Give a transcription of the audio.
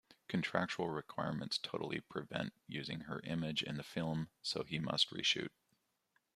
Contractual requirements totally prevent using her image in the film, so he must re-shoot.